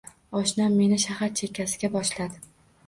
Oshnam meni shahar chekkasiga boshladi